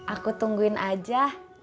aku tungguin saja